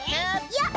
やっ！